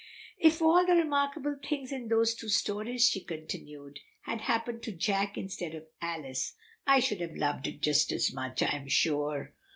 "If all the remarkable things in those two stories," she continued, "had happened to a 'Jack' instead of an 'Alice,' I should have loved it just as much, I am sure."